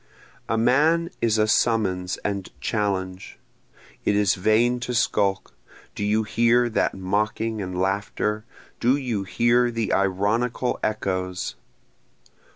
A man is a summons and challenge, (It is vain to skulk do you hear that mocking and laughter? do you hear the ironical echoes?)